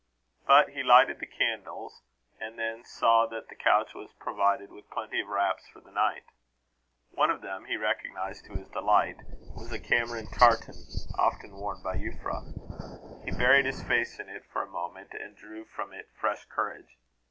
But he lighted the candles; and then saw that the couch was provided with plenty of wraps for the night. One of them he recognised to his delight was a Cameron tartan, often worn by Euphra. He buried his face in it for a moment, and drew from it fresh courage.